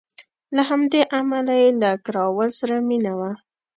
له همدې امله یې له کراول سره مینه وه.